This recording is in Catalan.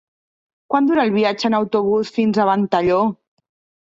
Quant dura el viatge en autobús fins a Ventalló?